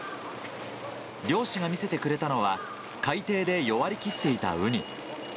漁師が見せてくれたのは、海底で弱りきっていたウニ。